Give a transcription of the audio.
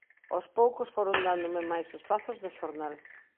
Aos poucos foron dándome máis espazos no xornal.